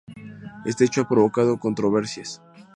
Este hecho ha provocado controversias.